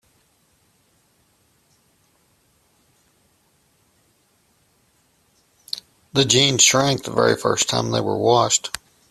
The jeans shrank the very first time they were washed.